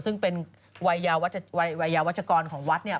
ซึ่งเป็นวัยยาวัชกรของวัดเนี่ย